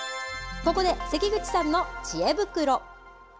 ここで関口さんのちえ袋。